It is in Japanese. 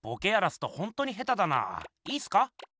いいすか？